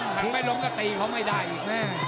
ถังไม่ล้มก็ตีเขาไม่ได้อีกแม่